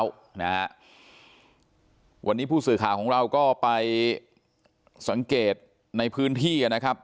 วันนี้ผู้สื่อข่าวของเราก็ไปสังเกตในพื้นที่นะครับ